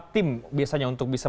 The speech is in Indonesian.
tim biasanya untuk bisa